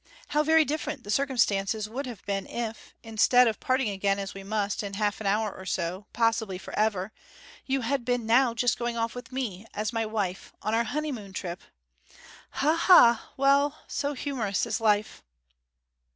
How very different the circumstances would have been if, instead of parting again as we must in half an hour or so, possibly for ever, you had been now just going off with me, as my wife, on our honeymoon trip. Ha ha well so humorous is life!'